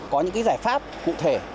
có những giải pháp cụ thể